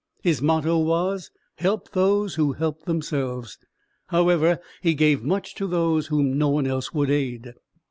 His motto was, "Help those who help themselves," however, he gave much to those whom no one else would aid.